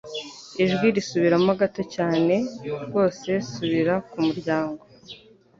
Ijwi risubiramo gato cyane rwose Subira ku muryango